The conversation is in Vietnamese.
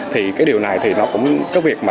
thì cái điều này thì nó cũng cái việc mà